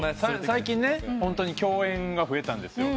最近ねホントに共演が増えたんです。